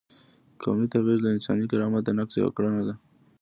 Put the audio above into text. قومي تبعیض د انساني کرامت د نقض یوه کړنه ده.